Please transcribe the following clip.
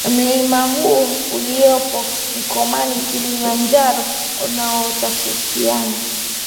Mlima huo uliopo mkoani Kilimanjaro unatofautiana